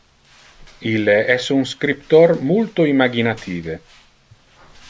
Ille es un scriptor multo imaginative.